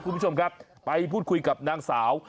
คุณผู้ชมครับไปพูดคุยกับนางสาว